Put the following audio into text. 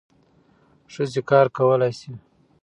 ښځې کار کولای سي.